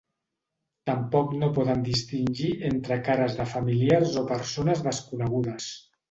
Tampoc no poden distingir entre cares de familiars o persones desconegudes.